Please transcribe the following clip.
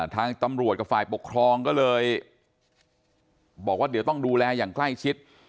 ทางตำรวจกับฝ่ายปกครองก็เลยบอกว่าเดี๋ยวต้องดูแลอย่างใกล้ชิด